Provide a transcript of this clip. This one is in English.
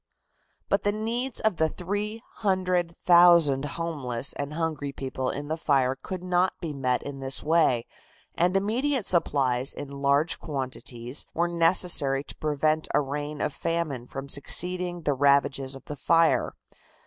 But the needs of the three hundred thousand homeless and hungry people in the city could not be met in this way, and immediate supplies in large quantities were necessary to prevent a reign of famine from succeeding the ravages of the fire.